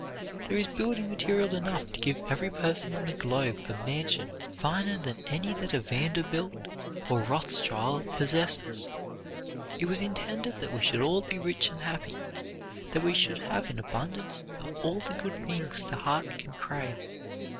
There is building material enough to give every person on the globe a mansion finer than any that a Vanderbilt or Rothschild possesses. It was intended that we should all be rich and happy; that we should have an abundance of all the good things the heart can crave.